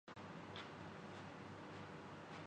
کیا خیال ہے مجھے کیا کرنا چاہئے